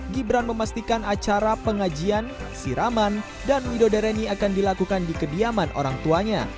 gibran memastikan acara pengajian siraman dan widodereni akan dilakukan di kediaman orang tuanya